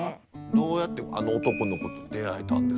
どうやってあの男の子と出会えたんですか？